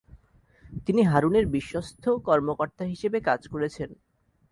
তিনি হারুনের বিশ্বস্থ কর্মকর্তা হিসেবে কাজ করেছেন।